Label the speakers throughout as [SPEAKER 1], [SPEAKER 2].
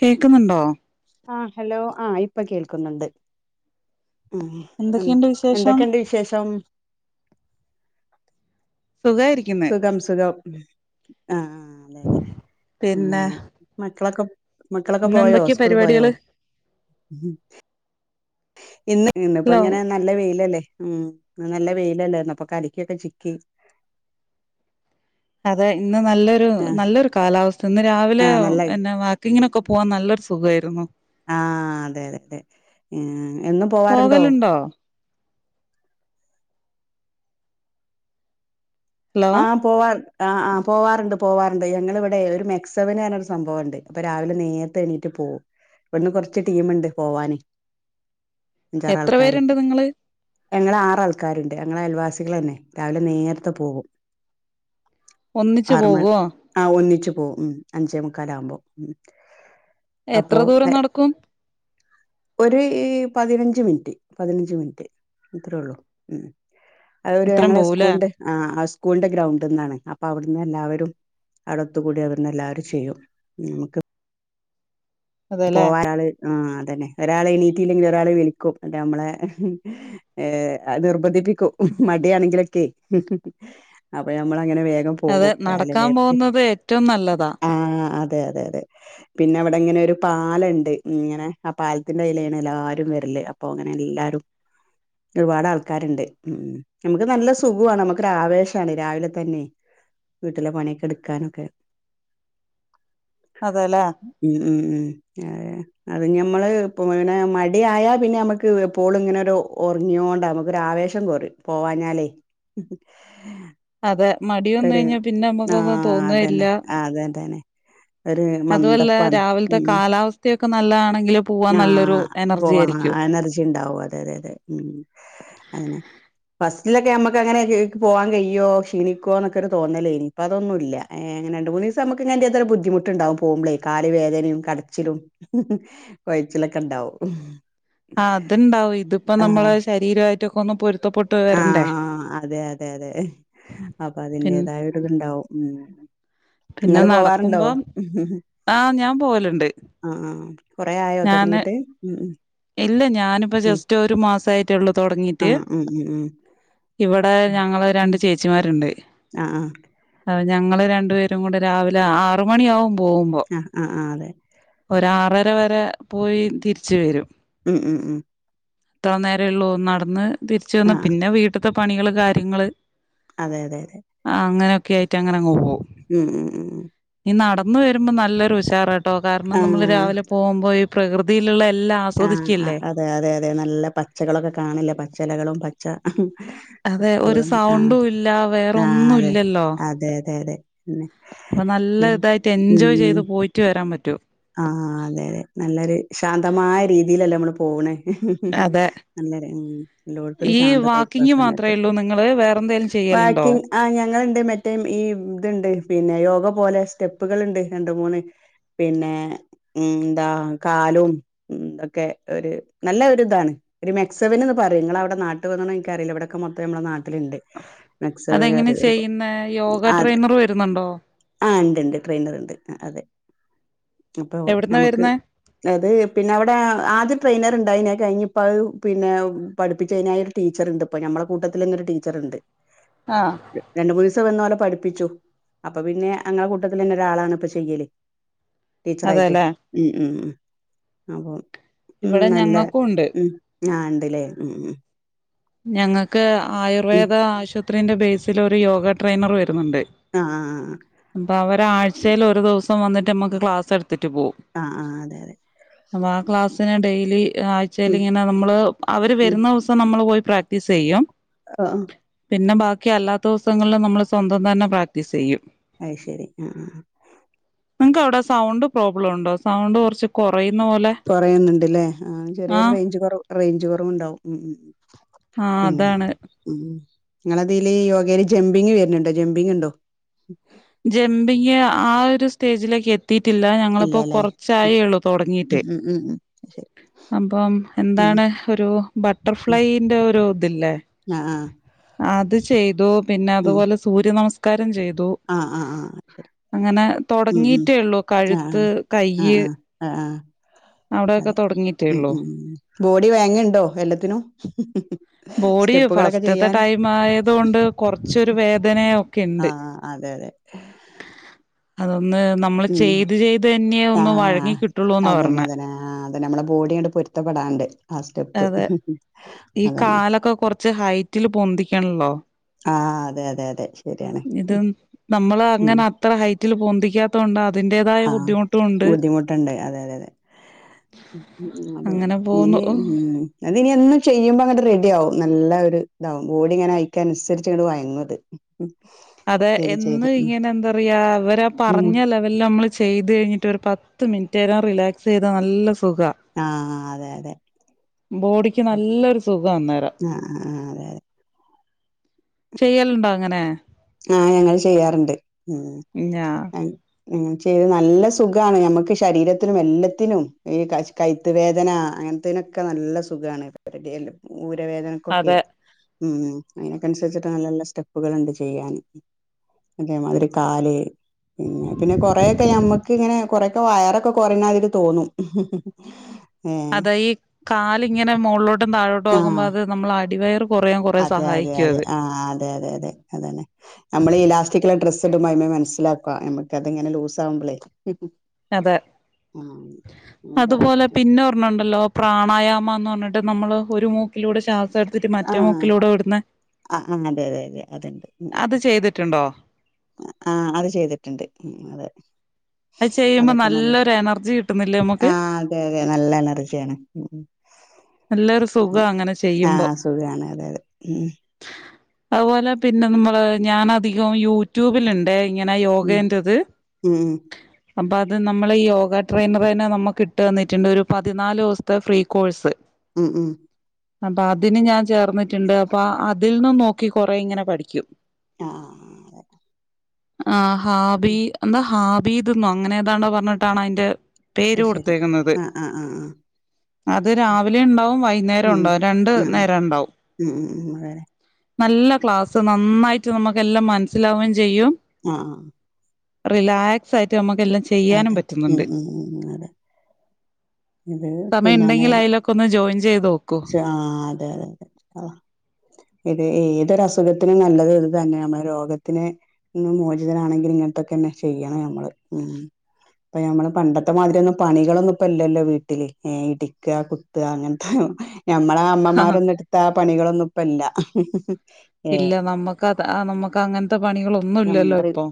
[SPEAKER 1] കേക്കുന്നുണ്ടോ
[SPEAKER 2] ആ ഹലോ ആ ഇപ്പൊ കേൾക്കുന്നുണ്ട് ആ എൻ
[SPEAKER 1] എന്തൊക്കെയുണ്ട് വിശേഷം
[SPEAKER 2] എന്തൊക്കെയുണ്ട് വിശേഷം
[SPEAKER 1] സുഖായിരിക്കുന്ന്
[SPEAKER 2] സുഖം സുഖം ആ തെ ന്നെ
[SPEAKER 1] പിന്നെ
[SPEAKER 2] മക്കളൊക്കെ മക്കളൊക്കെ
[SPEAKER 1] ഇന്ന്
[SPEAKER 2] പോയോ
[SPEAKER 1] എന്തൊക്കെയാ
[SPEAKER 2] സ്കൂള് പോയോ
[SPEAKER 1] പരിപാടികള്
[SPEAKER 2] ഇന്ന് ഇന്ന് ഇപ്പ
[SPEAKER 1] ഹലോ
[SPEAKER 2] ഇങ്ങനെ നല്ല വെയിയിലല്ലേ ഉം നല്ല വെയിലല്ലേപ്പൊ കലിക്കൊക്കെ ചിക്കി
[SPEAKER 1] അതെ ഇന്ന് നല്ലൊരു
[SPEAKER 2] ആഹ്
[SPEAKER 1] നല്ലൊരു കാലാവസ്ഥ ഇന്ന് രാവിലെ
[SPEAKER 2] ആഹ് നല്ല
[SPEAKER 1] എന്ന വാക്കിങ്ങിനൊക്കെ പോവാൻ നല്ലൊരു സുഖയിരുന്നു
[SPEAKER 2] ആ അതെ അതെ അതെ ഉം എന്നും പോവാറുണ്ടോ
[SPEAKER 1] പോകലുണ്ടോ ഹലോ
[SPEAKER 2] ആഹാ പോവാൻ ആഹാ ആ പോവാറുണ്ട് പോവാറുണ്ട് ഞങ്ങളിവിടെ ഒരു മെക്സവന് പറഞ്ഞ ഒരു സംഭവമുണ്ട് അപ്പൊ രാവിലെ നേരത്തെ എണീറ്റ് പോവും ഇവിടുന്ന് കുറച്ച് ടീമുണ്ട് പോവാന്
[SPEAKER 1] എത്ര പേരുണ്ട് നിങ്ങള്
[SPEAKER 2] ഞങ്ങളെ ആറാൾക്കാരുണ്ട് ഞങ്ങളെ അയൽവാസികൾ തന്നെ രാവിലെ നേരത്തെ പോകും
[SPEAKER 1] ഒന്നിച്ചു
[SPEAKER 2] ആറു മ
[SPEAKER 1] പോകുവോ
[SPEAKER 2] ആ ഹ് ഒന്നിച്ച്ച് പോവും ഉം അഞ്ചേ മുക്കാലാകുമ്പോ ഉം
[SPEAKER 1] എത്ര
[SPEAKER 2] അപ്പൊ
[SPEAKER 1] ദൂരം നടക്കും
[SPEAKER 2] ഒരു ഈ പതിനഞ്ച് മിനിറ്റ് പതിനഞ്ച് മിനിറ്റ് അത്രേ ഉള്ളു ഉം അത് ഒരു
[SPEAKER 1] അത്രയും
[SPEAKER 2] ഞങ്ങളെ
[SPEAKER 1] പോവൂലേ
[SPEAKER 2] സ്കൂളിന്റെ ആ സ്കൂളിന്റെ ഗ്രൗണ്ടുന്നാണ് അപ്പ അവിടുന്ന് എല്ലാവരും അവിടെ ഒത്തുകൂടി അവിടെന്ന് എല്ലാരും ചെയ്യും നമ്മുക്ക്
[SPEAKER 1] അതെല്ലേ
[SPEAKER 2] പോവാന് ഒരാള് ആ അതന്നെ ഒരാളെ എണീറ്റയില്ലെങ്കിൽ ഒരാളെ വിളിക്കും അല്ലേ നമ്മളെ നിർബന്ധിപ്പിക്കും മടിയാണെങ്കിലൊക്കെ അപ്പൊ നമ്മള അങ്ങനെ വേഗം
[SPEAKER 1] അതെ
[SPEAKER 2] പോകും രാവിലെ
[SPEAKER 1] നടക്കാൻ
[SPEAKER 2] നേര
[SPEAKER 1] പോകുന്നത് ഏറ്റവും നല്ലതാ
[SPEAKER 2] ആ അതെ അതെ അതെ പിന്നെ അവിടെങ്ങനെ ഒരു പാലേണ്ട് ഇങ്ങനെ ആ പാലത്തിൻ്റെ അയിലാണ് എല്ലാരും വരല് അപ്പൊ അങ്ങനെ എല്ലാരും ഒരുപാട് ആൾക്കാരുണ്ട് ഉം നമുക്ക് നല്ല സുഖമാണ് നമുക്ക് ആവേശമാണ് രാവിലെ തന്നെ വീട്ടിലെ പണിയൊക്കെ എടുക്കാനൊക്കെ
[SPEAKER 1] അതെല്ലേ
[SPEAKER 2] ഉം ഉം ഉം ഏ അത് ഞമ്മള് പിന്നെ മടിയായ പിന്നെ നമ്മുക്ക് എപ്പോളും ഇങ്ങനെരു ഒറങ്ങിയോണ്ട് നമുക്കൊ ആവേശം കൊറയും പോവാഞ്ഞാലേ
[SPEAKER 1] അതെ മടി വന്നു
[SPEAKER 2] ഒരു
[SPEAKER 1] കഴിഞ്ഞാൽ പിന്നെ നമ്മുക്കൊന്നും
[SPEAKER 2] ആഹ്
[SPEAKER 1] തോന്നേം
[SPEAKER 2] അതന്നെ
[SPEAKER 1] ഇല്ലാ.
[SPEAKER 2] അതന്നെ ഒരു മന്ദപ്പാണ് ഉം
[SPEAKER 1] കാലാവസ്ഥയൊക്കെ നല്ലതാണെങ്കില് പോവാൻ നല്ലൊരു
[SPEAKER 2] ആഹ് ബോ
[SPEAKER 1] എനർജി ആയിരിക്കും
[SPEAKER 2] എനർജി ഇണ്ടാവും അതെ അതെ ഉം അങ്ങനെ ഫസ്റ്റ്ല ക്കെ നമ്മുക്ക് അങ്ങനെ പോവാൻ കയ്യോ ക്ഷീണി ക്കോന്നൊക്കെ ഒരു തോന്നലേനി ഇപ്പ അതൊന്നുമല്ല എഹ് രണ്ട് മൂന്ന് ദിവസം നമുക്ക് [unintelligible] ബുദ്ധിമുട്ടുണ്ടാവും പോകുമ്പളേ കാല് വേദനയും കടച്ചിലും കൊഴച്ചിലൊക്കെ ഉണ്ടാവും.
[SPEAKER 1] ആ അതിണ്ടാവും ഇതിപ്പോ
[SPEAKER 2] ആഹ്
[SPEAKER 1] നമ്മളെ ശരീരമായി ട്ടിക്കൊന്നും പൊരു
[SPEAKER 2] ആഹ് അതെ അതെ അതെ അപ്പോ
[SPEAKER 1] പി
[SPEAKER 2] അതിന്റേതായ ഒരു ഇതുണ്ടാവും ഉം
[SPEAKER 1] പിന്നെ
[SPEAKER 2] നിങ്ങള് പോവാറുണ്ടോ
[SPEAKER 1] നടക്കുമ്പോ ആഹ് ഞാൻ പോകലിണ്ട്.
[SPEAKER 2] കുറെ ആയോ തുടങ്ങിട്ട് ഉം ഉം
[SPEAKER 1] ഇല്ല ഞാനിപ്പോ
[SPEAKER 2] ഉം
[SPEAKER 1] ജസ്റ്റ് ഒരു മാസയിട്ടേയുള്ളു തുടങ്ങീട്ട്
[SPEAKER 2] ആഹ് ഉം ഉം
[SPEAKER 1] ഇവിടെ ഞങ്ങള് രണ്ട് ചേച്ചിമാർ ഉണ്ട്
[SPEAKER 2] ആ ആ
[SPEAKER 1] അ ഞങ്ങള് രണ്ടു പേരും കൂടെ രാവിലെ ആറ് മണിയാവു പോകുമ്പോ
[SPEAKER 2] ആഹ് ആഹ് ആഹ് അതെ
[SPEAKER 1] ഒരു ആറ് അത്ര വരെ പോയി തിരിച്ച് വരും
[SPEAKER 2] ഉം ഉം ഉം
[SPEAKER 1] ഇത്ര നേരേയുള്ളൂ നടന്ന് തിരിച്ചു വന്നു
[SPEAKER 2] ആഹ്
[SPEAKER 1] പിന്നെ വീട്ട ഇത്തെ പണികള് കാര്യങ്ങള്
[SPEAKER 2] അതെ അതെ അതെ
[SPEAKER 1] ഒക്കെ ആയിട്ട് അങ്ങനെ അങ്ങ് പോകും
[SPEAKER 2] ഉം ഉം ഉം ഉം.
[SPEAKER 1] ഇനി നട ഒന്ന് വരുമ്പോ നല്ലൊരു ഉഷാറായിട്ട് കാരണം നമ്മൾ രാവിലെ പോകുമ്പോൾ പ്രകൃതിയിലുള്ള എല്ലാം
[SPEAKER 2] ആ
[SPEAKER 1] ആസ്വദിക്കല്ലേ
[SPEAKER 2] അതെ അതെ അതെ നല്ല പച്ചകളൊക്കെ കാണില്ല പച്ചിലകളും പച്ച
[SPEAKER 1] അതെ ഒരു
[SPEAKER 2] പച്ചപ്പൂകളും ആഹ്
[SPEAKER 1] സൗണ്ടും ഇല്ല
[SPEAKER 2] ആഹ്
[SPEAKER 1] വേറൊന്നും
[SPEAKER 2] അതെ.
[SPEAKER 1] ഇല്ലല്ലോ
[SPEAKER 2] അതെ അതെ അതെ പിന്നെ
[SPEAKER 1] അപ്പൊ നല്ല
[SPEAKER 2] ഉം
[SPEAKER 1] ഇതായിട്ട് എൻജോയ് ചെയ്ത് പോയിട്ട് വരാൻ പറ്റും
[SPEAKER 2] ആ അതെ അതെ നല്ലൊരു ശാന്തമായ രീതിയിലല്ലേ നമ്മള് പോകണേ
[SPEAKER 1] അതെ
[SPEAKER 2] നല്ല ഉ എല്ലോടുത്തൊരു
[SPEAKER 1] ഈ
[SPEAKER 2] ശാന്തതായിരിക്കും ആ
[SPEAKER 1] വാക്കിങ്
[SPEAKER 2] സമയത്ത്
[SPEAKER 1] മാത്രേ ഉള്ളൂ നിങ്ങള് വേറെന്തേലും ചെയ്യലുണ്ടോ
[SPEAKER 2] ബാക്കി ആ ഞങ്ങ മറ്റേ ഈ ഇതുണ്ട് പിന്നെ യോഗ പോലെ സ്റ്റെപ്പുകളുണ്ട് രണ്ട് മൂന്ന് പിന്നെ ഉ എന്താ കാലും ഉതൊക്കെ ഒരു നല്ല ഒരു ഇതാണ് ഒരു മെക്സവിൻന്ന് പറയും നിങ്ങള അവിടെ നാട്ടിൽ വന്നോ എനിക്കറിയില്ല ഇവിടൊക്കെ മൊത്തം നമ്മടെ നാട്ടിലുണ്ട് മെക്സവൻ
[SPEAKER 1] അതെങ്ങനെ
[SPEAKER 2] അറിയ
[SPEAKER 1] ചെയ്യുന്ന യോഗ
[SPEAKER 2] അതെ
[SPEAKER 1] ട്രെയിനർ വരുന്നുണ്ടോ
[SPEAKER 2] ആ ഉണ്ട് ഉണ്ട് ട്രെയിനർ ഉണ്ട് അതെ അപ്പൊ
[SPEAKER 1] എവിടുന്നാ
[SPEAKER 2] നമുക്ക്
[SPEAKER 1] വരുന്നേ
[SPEAKER 2] അത് പിന്നെ അവിടെ ആദ്യ ട്രെയിനർ ഉണ്ടായിന് കഴിഞ്ഞ് ഇപ്പം അത് പിന്നെ പഠിപ്പിച്ചനായി ഒരു ടീച്ചറുണ്ട് ഇപ്പൊ ഞമ്മടെ കൂട്ടത്തിൽ തന്നെ ഒരു ടീച്ചറുണ്ട്
[SPEAKER 1] ആഹ്
[SPEAKER 2] രണ്ട് മൂന്ന് ദിവസം വന്ന പോല പഠിപ്പിച്ചു അപ്പൊ പിന്നെ അങ്ങടെ കൂട്ടത്തിൽ തന്നെ ഒരാളാണ് ഇപ്പൊ ചെയ്യല് ടീച്ചറായിട്ട്
[SPEAKER 1] അതെല്ലേ
[SPEAKER 2] ഉം ഉം അപ്പം
[SPEAKER 1] ഇവിടെ ഞങ്ങൾക്കുണ്ട്
[SPEAKER 2] ആഹ് ഇണ്ടല്ലേ
[SPEAKER 1] ഞങ്ങൾക്ക് ആയുർവേദ ആശു [unintelligible] ബേസിൽ ഒരു യോഗ ട്രെയിനർ വര്ത്ത രുനുണ്ട്
[SPEAKER 2] ആ ആ
[SPEAKER 1] പ്പവര് ആഴ്ചയിൽ ഒരു ദിവസം പ്പവന്നിട്ട് നമുക്ക് ക്ലാസ്സ് എടുത്ത്
[SPEAKER 2] ആഹ് ആഹ് അതെ തെ
[SPEAKER 1] അപ്പ ആ ക്ലാസ്സിന് ഡെയിലി ആഴ്ചയിൽ
[SPEAKER 2] ഉം
[SPEAKER 1] ഇങ്ങനെ നമ്മള് അവര് വരുന്നോവസം നമ്മൾ പോയി പ്രാക്ടീസ് ചെയ്യും
[SPEAKER 2] ആഹ്
[SPEAKER 1] പിന്നെ ബാക്കി അല്ലാത്ത ദിവസങ്ങളിൽ നമ്മൾ സ്വന്തം തന്നെ പ്രാക്ടീസ് ചെയ്യും
[SPEAKER 2] അയ്ശരി ആഹ്
[SPEAKER 1] നിങ്ങക്ക് അവിടെ സൗണ്ട് പ്രോബ്ലം ഉണ്ടോ സൗണ്ട് കുറച്ച് കുറയുന്ന പോലെ
[SPEAKER 2] കൊറയുന്ന്ണ്ട്ല്ലേ ആ ചെറിയൊരു
[SPEAKER 1] ആഹ്
[SPEAKER 2] റേഞ്ച് കുറ റേഞ്ച് കുറവുണ്ടാവും ഉം ഉം
[SPEAKER 1] ആഹ്
[SPEAKER 2] പിന്നെ
[SPEAKER 1] അതാണ്
[SPEAKER 2] ഉം നിങ്ങളതില് യോഗയില് ജംബിങ് വരുന്നുണ്ടോ ജംബിങ് ഉണ്ടോ
[SPEAKER 1] ജംബിങ് ആ ഒരു സ്റ്റേജിലേക്ക് എ എത്തിട്ടില്ല ഞങ്ങളിപ്പോ
[SPEAKER 2] ഇല്ലല്ലേ
[SPEAKER 1] കുറച്ചായേള്ളു തുടങ്ങീട്ട്
[SPEAKER 2] ഉം ഉം ഉം ഉം ശരി
[SPEAKER 1] അപ്പം
[SPEAKER 2] ഉം
[SPEAKER 1] എന്താണ് ഒരു
[SPEAKER 2] ഉം
[SPEAKER 1] ബട്ടർഫ്ലൈയ്ന്റെ ഒരു ഇതില്ലേ
[SPEAKER 2] ആ ആ
[SPEAKER 1] അത് ചെയ്തു പിന്നെ അതുപോലെ സൂര്യ നമസ് ക്കരം ചെയ്തു തു
[SPEAKER 2] ആഹ് ആഹ് ശരി ഉം ഉം
[SPEAKER 1] ഉള്ളൂ
[SPEAKER 2] ആഹ്
[SPEAKER 1] കഴുത്ത്
[SPEAKER 2] ആഹ്
[SPEAKER 1] കയ്യ്
[SPEAKER 2] ആഹ് ആഹ് ആഹ്
[SPEAKER 1] അവിടെയൊക്കെ
[SPEAKER 2] അതെ
[SPEAKER 1] തൊടങ്ങീട്ടേ
[SPEAKER 2] ഉം
[SPEAKER 1] ഉള്ളൂ
[SPEAKER 2] ഉം ബോഡി വേങ്ങയുണ്ടോ എല്ലാത്തിനും
[SPEAKER 1] ബോഡി
[SPEAKER 2] സ്റ്റെപ്പുകളൊക്കെ
[SPEAKER 1] ഫസ്റ്റ്ത്തെ
[SPEAKER 2] ചെയ്യാൻ
[SPEAKER 1] ഒരു വേദനയോ
[SPEAKER 2] ആഹ് അതെ അതെ
[SPEAKER 1] അതൊ ന്ന് നമ്മള്
[SPEAKER 2] ഉം
[SPEAKER 1] ചെയ്ത് ചെയ്ത് തന്നെയ ഒന്ന് വഴങ്ങി
[SPEAKER 2] ആഹ്
[SPEAKER 1] കിട്ടുള്ളൂന്ന്
[SPEAKER 2] അതന്നെ
[SPEAKER 1] പറഞ്ഞ
[SPEAKER 2] അതന്നെ ആഹ് അതന്നെ നമ്മളെ ബോഡിയങ്ങട് പൊരുത്തപ്പെടാണ്ട് ആ സ്റ്റെപ്പ്
[SPEAKER 1] അതെ ഈ
[SPEAKER 2] അതന്നെ
[SPEAKER 1] കാലൊക്കെ കൊറച്ച് ഹൈറ്റിൽ പൊന്തിക്കണല്ലോ
[SPEAKER 2] ആഹ് അതെ അതെ അതെ ശരിയാണ്
[SPEAKER 1] ഇതുംനമ്മൾ
[SPEAKER 2] ഉം
[SPEAKER 1] അങ്ങനെ അത്ര ഹൈറ്റില് പൊന്തിക്കാത്തോണ്ടഅതിന്റേതായ
[SPEAKER 2] ആഹ്
[SPEAKER 1] ബുദ്ധിമുട്ടു ണ്ട്
[SPEAKER 2] ബുദ്ധിമുട്ടുണ്ട് അതെ അതെ അതെ ഉം അതെ
[SPEAKER 1] അങ്ങനെ പോകു [unintelligible]
[SPEAKER 2] ഉം ഇനി എന്നും ചെയ്യുമ്പോ അങ്ങനെ റെഡി ആവും നല്ല ഒരു ഇതാവും ബോഡിഇങ്ങനെ ക്കൻസരിച്ഇങ്ങട്ട്‌വയങ്ങുത്
[SPEAKER 1] അതെ എന്ന് ഇങ്ങനെ എന്താ പറയാ അവരാ
[SPEAKER 2] ഉം
[SPEAKER 1] പറഞ്ഞ ലെവലില് നമ്മള് ചെയ്ത് കഴിഞ്ഞിട്ട് ഒരു പത്ത് മിനിറ്റ് നേരംറിലാക്സ് ചെയ്താ നല്ല സു സുഖവാ.
[SPEAKER 2] ആഹ് അതെ അതെ
[SPEAKER 1] ബോഡിക്ക് നല്ലൊരു സുഖ അന്നേരം.
[SPEAKER 2] ആഹ് ആഹ് അതെ അതെ
[SPEAKER 1] ചെയ്യലുണ്ടോ അങ്ങനെ?
[SPEAKER 2] ആ ഞങ്ങൾ ചെയ്യാറുണ്ട്. ഉം
[SPEAKER 1] ഞാ
[SPEAKER 2] ഞ ങ്ങന ചെയ്ത് നല്ല സുഖമാണ് ഞമ്മുക്ക് ശരീരത്തിനും എല്ലാത്തിനും ഈ കൈ കൈത്തുവേദന അങ്ങനത്തനൊക്കെ നല്ല സുഖാണ് [unintelligible] ഊരവേദനക്കൊക്കെ
[SPEAKER 1] അതെ
[SPEAKER 2] ഉം അതിനൊക്ക അനുസരിച്ചിട്ട് നല്ല നല്ല സ്റ്റെപ്പുകളുണ്ട്. ചെയ്യാൻ അതേമാതിരി കാല് പിന്ന പിന്നെ കൊറെൊക്കെ ഞമ്മക്ക് ഇങ്ങനെ കൊറൊക്കെ വയറൊക്കെ കൊറല് മാതിരിതോന്നും
[SPEAKER 1] അതെ ഈ കാലിങ്ങനെ മുകളിലോട്ടും താ താഴോട്ട്മാക്കുമ്പോ
[SPEAKER 2] ആഹ്
[SPEAKER 1] അത് നമ്മൾ അടിവയ
[SPEAKER 2] അതെ അതെ അതെ ആ അതെ അതെ അതെ അതന്നെ നമ്മൾ ഇലാസ്റ്റകുള്ളഡ്രസ്സ് മേ മനസ്സിലാക്ക നമക്കത്ങ്ങനെ ലൂസ് ആവുമ്പോളേ.
[SPEAKER 1] അതെ
[SPEAKER 2] ഉം
[SPEAKER 1] അതുപോലെ
[SPEAKER 2] കറക്റ്റ്.
[SPEAKER 1] പിന്നെ ഒരണണ്ടല്ലോ? പ്രാണായാമ പറഞ്ഞിട്ട് നമ്മള് ഒരു മു
[SPEAKER 2] ആ ആ അതെതെ അതെ അതണ്ട് ഉം.
[SPEAKER 1] അത് ചെയ്തിട്ടുണ്ടോ
[SPEAKER 2] ആ അത് ചെയ്തിട്ടുണ്ട് ഉം അതെ
[SPEAKER 1] അത് ചെയ്യുമ്പോ
[SPEAKER 2] അതൊക്കെ നല്ല
[SPEAKER 1] നല്ലൊരു എനർജി കിട്ടുന്നില്ലേ നമുക്ക്?
[SPEAKER 2] ആഹ് അതെ അതെ നല്ല എനർജിയാണ്. ഉം
[SPEAKER 1] നല്ലൊരു സുഖം അങ്ങനെ
[SPEAKER 2] ആ
[SPEAKER 1] ചെയ്യുമ്പോ
[SPEAKER 2] സുഖയാണ് അതെ അതെ
[SPEAKER 1] അതുപോലെ പിന്നെ നമ്മള് ഞാൻ അധികം യൂട്യൂബിലുണ്ടെ ഇങ്ങനാ
[SPEAKER 2] ഉം
[SPEAKER 1] യോഗേന്റത്
[SPEAKER 2] ഉം
[SPEAKER 1] അപ്പൊ അത് നമ്മൾ ഈ യോഗ ട്രെയിനർ തന്നെ നമ്മുക്കിട്ടു തന്നിട്ടുണ്ട് ഒരു പതിനാ ല്ദിവസത്തെ ഫ്രീ കോഴ്സ്.
[SPEAKER 2] ഉം ഉം
[SPEAKER 1] അപ്പ അതിന് ഞാൻ ചേർന്നിട്ടുണ്ട്. അപ്പൊ ആ [unintelligible] ഇതിൽ നിന്നന്ന് നോക്കി കൊറെ ഇങ്ങനെ പഠിക്കും.
[SPEAKER 2] ആഹ അതെ
[SPEAKER 1] ആ ഹാബി
[SPEAKER 2] ഉം
[SPEAKER 1] എന്താ ഹാ ത് ഇന്നോ അങ്ങനെ ഏതാണ്ടോ പറഞ്ഞിട്ടാണ് അയിന്റെ പേര്
[SPEAKER 2] അത് ശരി.
[SPEAKER 1] കൊടുത്തേക്കുന്നത്
[SPEAKER 2] ആഹ് ആഹ് ആഹ് ആഹ്
[SPEAKER 1] അത് രാവിലെ ഉണ്ടാവും,
[SPEAKER 2] ഉം
[SPEAKER 1] വൈകുന്നേരം
[SPEAKER 2] ഉം
[SPEAKER 1] ഉണ്ടാവും രണ്ടു
[SPEAKER 2] ആഹ്
[SPEAKER 1] നേരം ഉണ്ടാവും.
[SPEAKER 2] ഉം ഉം ഉം അതെ
[SPEAKER 1] നല്ല ക്ലാസ്സ് നന്നായിട്ട് നമുക്ക് എല്ലാം മനസ്സിലാവുകയും ചെയ്യും
[SPEAKER 2] ആഹ് ആഹ്
[SPEAKER 1] റിലാക്സ് ആയി ട്ട് നമുക്ക് എല്ലാം
[SPEAKER 2] ആഹ്
[SPEAKER 1] ചെയ്യാനും
[SPEAKER 2] അതെ. ഉം
[SPEAKER 1] പറ്റുന്നുണ്ട്
[SPEAKER 2] ഉം ഉം അതെ. ഇത്
[SPEAKER 1] സമയം
[SPEAKER 2] പിന്നാണ്
[SPEAKER 1] ഇണ്ടെങ്കിൽ അതിലൊക്കെ ഒന്ന് ജോയിൻ ചെയ്ത് നോക്കൂ
[SPEAKER 2] ആ അതെ അതെ അതെ ഇത് ഏതൊരസുഖത്തിനും നല്ലത് ഇത് തന്നെ നമ്മുടെ രോഗത്തിന് ന്നും മോചിതനാണെങ്കിൽ ഇങ്ങനത്തൊക്കെ തന്നെ ചെയ്യണം നമ്മള് ഉം ഇപ്പൊ ഞമ്മള് പണ്ടത്തെ മാതിരി ഒന്നും പണികളന്നുംപ്പ ഇല്ലല്ലോ വീട്ടില് ഏ ഇടിക്കുക കുത്തുക അങ്ങനത്തെ ഞമ്മള അമ്മമാരൊന്നും എടുത്ത പണികളൊന്നും ഇപ്പ ഇല്ല ഏ
[SPEAKER 1] ഇല്ല നമ്മക്ക് അത് നമ്മക്ക് അങ്ങനത്തെ പണികളൊന്നും ഇല്ലല്ലോ
[SPEAKER 2] [unintelligible]
[SPEAKER 1] ഇപ്പൊ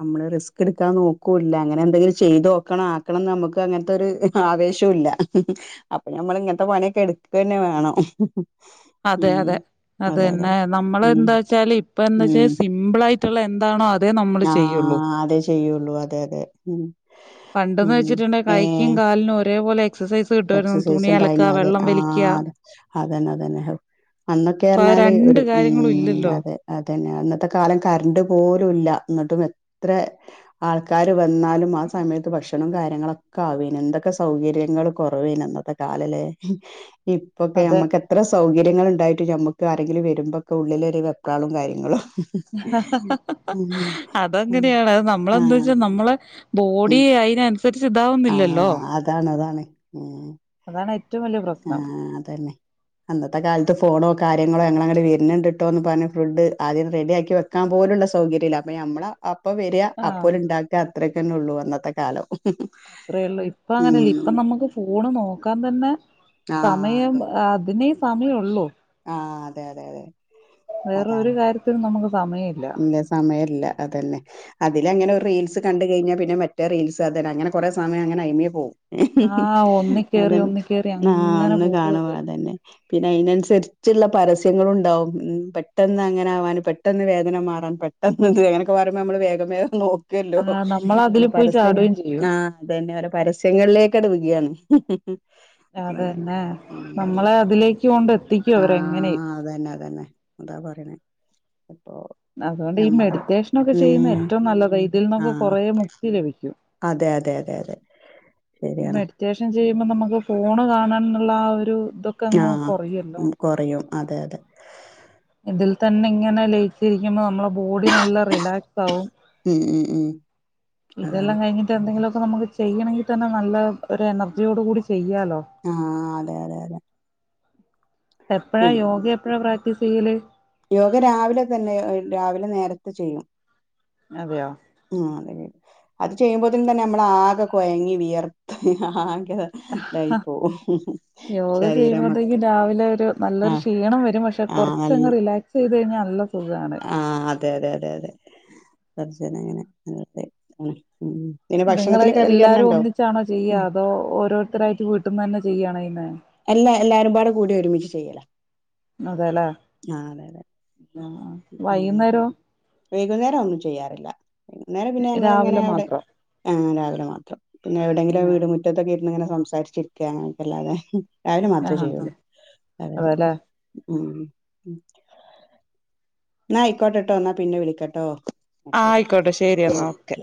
[SPEAKER 2] നമ്മള് റിസ്ക് എടു നോക്കൂല്ല അങ്ങനെ എന്തെങ്കിലും ചെയ്ത് നോക്കണം ആക്കണംന്ന് നമുക്ക് അങ്ങനത്ത ഒര് ആവേശോല്ല. അപ്പൊ നമ്മൾ ഇങ്ങനത്തെ പണിയൊക്കെ എടുക്ക തന്നെ വേണം
[SPEAKER 1] അതെ
[SPEAKER 2] ഉം
[SPEAKER 1] അതെ അത്
[SPEAKER 2] അതെ അതെ
[SPEAKER 1] തന്നെ നമ്മൾ
[SPEAKER 2] ഉം
[SPEAKER 1] എന്താ വെച്ചാല് ഇപ്പ വെച്ചാൽ സിമ്പിൾ ആയി ആയിട്ടുള്ള എന്താണോ അതേ നമ്മള് ചെയ്യുള്ളൂ
[SPEAKER 2] ആഹ് അതെ ചെയ്യുള്ളൂ അതെ അതെ ഉം
[SPEAKER 1] പണ്ടെന്ന് വെച്ചിട്ടുണ്ടെ
[SPEAKER 2] ഏ
[SPEAKER 1] കൈക്കും കാലിനും ഒരേപോലെ എക്സസൈസ് കിട്ടുമായിരുന്നു
[SPEAKER 2] എക്സസൈസ്
[SPEAKER 1] തുണി അലക്കാ
[SPEAKER 2] ഉണ്ടായിരുന്നു അതെ
[SPEAKER 1] വെള്ളം
[SPEAKER 2] ആ
[SPEAKER 1] വലിക്കാ
[SPEAKER 2] അതെ അതന്നെ അതന്നെ അന്നൊക്കെ
[SPEAKER 1] ഇപ്പൊ ആ
[SPEAKER 2] പറിഞ്ഞാല്
[SPEAKER 1] രണ്ട്
[SPEAKER 2] ഒരു മ്
[SPEAKER 1] കാര്യങ്ങളും ഇല്ലല്ലോ
[SPEAKER 2] അതെ അതെ അതന്നെ അന്നത്തെ കാലം കറണ്ട് പോലും ഇല്ല എന്നിട്ടും എത്ര ആൾക്കാരും വന്നാലും ആ സമയത്ത് ഭക്ഷണം കാ ഞങ്ങളൊക്കെ [unintelligible] എന്തൊക്കെ സൗകര്യങ്ങും കുറവ്ന്ന അന്നത്തെകാലമല്ലേ ഇപ്പൊക്കെ
[SPEAKER 1] അതെ
[SPEAKER 2] നമ്മുക്ക് എത്ര സൗകര്യം കുട്ടികളുണ്ടായിട്ടും നമുക്ക് ആരെങ്കിലും വരുമ്പൊക്കെ ഉള്ളിലൊരു വെപ്രാളോം കാര്യങ്ങളുമാ
[SPEAKER 1] ഹ ഹ ഹ
[SPEAKER 2] ഉം
[SPEAKER 1] ഹഅതെങ്ങനെയാണ് അത് നമ്മളെന്ത്‌
[SPEAKER 2] ആഹ്
[SPEAKER 1] വെച്ചാ നമ്മള ബോഡി
[SPEAKER 2] ഉം
[SPEAKER 1] അയിനനുസരി
[SPEAKER 2] ആഹ് അതാണ് അതാണ് ഉം
[SPEAKER 1] അതാണ് ഏറ്റവും വലിയ
[SPEAKER 2] ആ
[SPEAKER 1] പ്രശ്നം
[SPEAKER 2] അതന്നെ അന്നത്തെ കാലത്ത് ഫോണോ കാര്യങ്ങളോ അങ്ങന ഞങ്ങള് വരുന്നുണ്ട്ട്ടോ ന്ന് പറഞ്ഞു ഫുഡ് ആദ്യം ഒന്ന് റെഡി ആക്കി വെക്കാൻ പോലുള്ള സൗകര്യമല്ല അപ്പ ഞമ്മള അപ്പം വരിക
[SPEAKER 1] ആഹ്
[SPEAKER 2] അപ്പോല് ഉണ്ടാക്ക ഇത്രക്കന്നെ ഉള്ളൂ അന്നത്തെ കാലം
[SPEAKER 1] അത്രേള്ളൂ ഇപ്പ അങ്ങനെയല്ല
[SPEAKER 2] ഉം
[SPEAKER 1] ഇപ്പൊ നമ്മുക്ക് ഫോണ് നോക്കാൻ തന്നെ
[SPEAKER 2] ആഹ്
[SPEAKER 1] സമയം
[SPEAKER 2] അതെ
[SPEAKER 1] അതി ന്നേ സമയൊള്ളൂ
[SPEAKER 2] ആ അതെ അതെ അതെ
[SPEAKER 1] വേറൊരു
[SPEAKER 2] അതാണ്
[SPEAKER 1] കാര്യത്തിനും നമുക്ക് സമയമില്ല
[SPEAKER 2] ഇല്ല സമയല്ല അതന്നെ അതിലങ്ങനെ ഒരു റീൽസ് കണ്ട്കഴിഞ്ഞാ പിന്നെമറ്റ് മറ്റേറീൽസ് അതെഅങ്ങനെ കൊറേ സമയംഅങ്ങനെ അയ്മേപോവും ഇഹ് ഇഹ്
[SPEAKER 1] ആഹ്
[SPEAKER 2] ഹ്
[SPEAKER 1] ഒന്നിക്കേറി
[SPEAKER 2] അതന്നെ
[SPEAKER 1] ഒന്നിക്കേറി
[SPEAKER 2] ആ
[SPEAKER 1] അങ്ങനെ
[SPEAKER 2] ഒന്ന് കാണുമ
[SPEAKER 1] പോവത്
[SPEAKER 2] അതന്നെ പിന്നെ അയ്നനുസരിച്ച്ള്ള പരസ്യങ്ങളുണ്ടാവും ഉം പെട്ടെന്നങ്ങനാവാനും പെട്ടെന്ന് വേ ഇങ്ങനെ മാറാൻ പെട്ടന്നിത് അങ്ങനൊക്കെപറയുമ്പോ നമ്മള് വേഗം വഗം നോക് ക്കല്ലോഹ്
[SPEAKER 1] ആഹ് നമ്മൾ അതില് പോയി
[SPEAKER 2] അരെപരസ്യഞ
[SPEAKER 1] ചാടുകയും ചെയ്യും
[SPEAKER 2] ആ അതന്നെ അവരെ പരസ്യങ്ങളിലേ കടുവുകയാണ്
[SPEAKER 1] അതന്നെ നമ്മളെ അതിലേക്ക് കൊണ്ട് എത്ത ത്തിക്കും അവരെങ്ങനെ
[SPEAKER 2] ഉ
[SPEAKER 1] അതുകൊണ്ട് ഈ മെഡിറ്റേഷനൊക്കെ
[SPEAKER 2] ഉം
[SPEAKER 1] ചെയ്യുന്നഎറ്റവും നല്ലത് ഇതിൽന്നൊക്കെ
[SPEAKER 2] ആഹ്
[SPEAKER 1] കുറേ മുക്തി ലഭിക്കും
[SPEAKER 2] അതെ അതെ അതെ അതെ ശരിയാണ്
[SPEAKER 1] ചെയ്യുമ്പോനമുക്ക് ഫോണ് കാണൻന്നുള്ള ആ ഒരു ഇതൊക്കെ അങ്ങ്
[SPEAKER 2] ആഹ്
[SPEAKER 1] കൊറയല്ലോ
[SPEAKER 2] മ്പോകൊറയും അതെ അതെ
[SPEAKER 1] ഇതിൽ തന്നെ ഇങ്ങനെ ലയിച്ചിരിക്കുമ്പോ നമ്മള ബോഡി നല്ല റിലാക്സ് ആവും
[SPEAKER 2] ഉം ഉം ഉം അതാണ്
[SPEAKER 1] ഇതെല്ലാം കഴിഞ്ഞിട്ട് എന്തെങ്കിലും പ്പ നമക്ക് ചെയ്യണെങ്കിതന്നെ നല്ല ഒരു എനർജിയോട്കൂടി ചെയ്യാലൊ
[SPEAKER 2] ആഹ് അതെ അതെ അതെ
[SPEAKER 1] എപ്പഴാ
[SPEAKER 2] പിന്നെ
[SPEAKER 1] യോഗ എപ്പഴ പ്രാക് ചെയ്യല്
[SPEAKER 2] യോഗ രാവിലതന്നെ രാവിലെ നേരത്തെ ചെയ്യും
[SPEAKER 1] അതെയോ
[SPEAKER 2] ആ തെ അത് ചെയ്യുമ്പോത്തിനുംതന്നെ നമ്മള ആകെ കൊയങ്ങി വിയർത്ത് ഹഹ ഹാൻ
[SPEAKER 1] അഹ്ഹ യോഗ
[SPEAKER 2] ശരീരം
[SPEAKER 1] ചെയ്യുമ്പത്തേക്കും
[SPEAKER 2] മൊത്തം
[SPEAKER 1] രാവിലെ ഒരു
[SPEAKER 2] ആ
[SPEAKER 1] നല്ലൊരു ക്ഷീണം വരും പക്ഷെ കുറച്ചങ് റിലാക്സ് ചെയ്തഴ്ഞ്ഞാന്നല്ല
[SPEAKER 2] ആഹ അതെ അതെ അതെ അതെ സർജന അങ്ങനെ ഉം പിന്നെ
[SPEAKER 1] ന്നിങ്ങള്
[SPEAKER 2] ഭക്ഷണത്തില് ക്രമീകരണം
[SPEAKER 1] എല്ലാരും
[SPEAKER 2] ഉണ്ടോ
[SPEAKER 1] ഒന്നിച്ചാണോ ചെയ്യാ
[SPEAKER 2] ഉം
[SPEAKER 1] അതോ ഓരോരുത്തരായിട്ട് വീട്ട്ന്നനെ ചെ ചെയ്യാണോയ്യുന്നേ
[SPEAKER 2] എല്ലാ എല്ലാരുംപാട് കൂടി ഒരുമിച്ച് ചെയ്യണം
[SPEAKER 1] അതെല്ലേ
[SPEAKER 2] ആഹ അതെ അതെ
[SPEAKER 1] ആ, വൈകുന്നേരോ
[SPEAKER 2] വൈകുന്നേരം ഒന്നും ചെയ്യാറില്ല വൈകുന്നേരം പിന്നെ ഞങ്ങ ഇങ്ങനെ
[SPEAKER 1] രാവിലെ
[SPEAKER 2] അവിടെ
[SPEAKER 1] മാത്രം
[SPEAKER 2] ആ രാവിലെ മാത്രം പിന്നെ എവിടെയെങ്കിലും വീട്മ മുറ്റത്തൊക്കെ ഇന്ന് ഇങ്ങനെ സം സംസരിച്ചിരിക്കുകല്ലാതെ ആാലും മാത്രമേ
[SPEAKER 1] ആഹ് ആഹ്
[SPEAKER 2] ചെയ്യുള്ളൂ അതതെ
[SPEAKER 1] അതെല്ലേ
[SPEAKER 2] ഉ ഉ [unintelligible] എന്ന ആയിക്കോട്ടെട്ടോ എന്നാ പിന്നെ വിളിക്കട്ടോ ശരി
[SPEAKER 1] ആയിക്കോട്ടെ ശരി എന്നാ ഓക്കെ